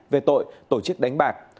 về tội tổ chức đánh bạc